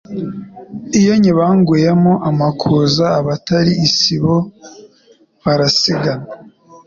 Iyo nyibanguyemo amakuza abatali isibo barasigana